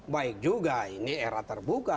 baik juga ini era terbuka